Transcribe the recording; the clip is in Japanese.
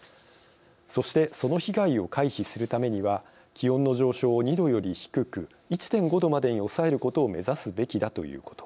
そしてその被害を回避するためには気温の上昇を２度より低く１．５度までに抑えることを目指すべきだということ。